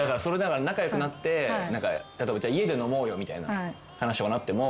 仲良くなって例えば家で飲もうよみたいな話とかなっても。